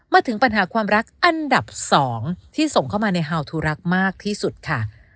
มาถึงปัญหาความรักอันดับ๒ที่ส่งเข้ามาในฮาวทูรักมากที่สุดค่ะ